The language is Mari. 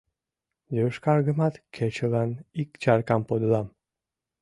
Йошкаргымат кечылан ик чаркам подылам.